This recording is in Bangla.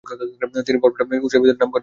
তিনি বরপেটা উচ্চবিদ্যালয়ে নামভর্তি করেন।